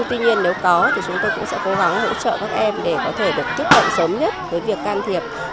tuy nhiên nếu có thì chúng tôi cũng sẽ cố gắng hỗ trợ các em để có thể được tiếp cận sớm nhất với việc can thiệp